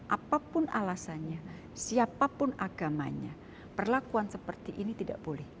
apapun alasannya siapapun agamanya perlakuan seperti ini tidak boleh